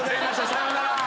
さよなら！